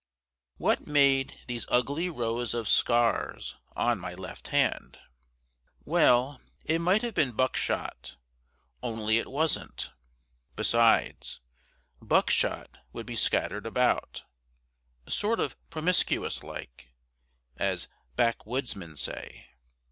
What made these ugly rows of scars on my left hand? Well, it might have been buckshot; only it wasn't. Besides, buckshot would be scattered about, "sort of promiscuous like," as backwoodsmen say.